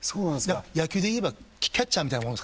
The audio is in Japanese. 野球で言えばキャッチャーみたいなもんですかね。